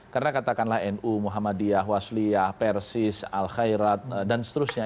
karena katakanlah nu muhammadiyah wasliyah persis al khairat dan seterusnya